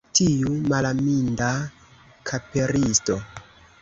Tiu malaminda kaperisto!